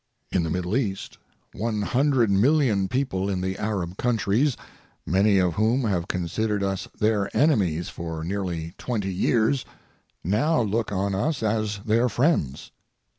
In the Middle East, 100 million people in the Arab countries, many of whom have considered us their enemy for nearly 20 years, now look on us as their friends.